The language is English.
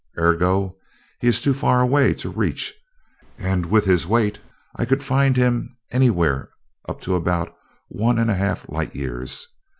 Ergo, he is too far away to reach and with his weight, I could find him anywhere up to about one and a half light years.